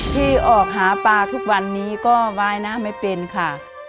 ที่ออกหาปลาทุกวันนี้ก็ว่ายน้ำไม่เป็นค่ะ